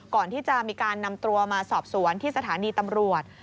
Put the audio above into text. ก่อนที่จะมีการนำตัวมาสอบสวนที่สถานีตำรวจ